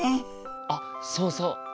あっそうそう。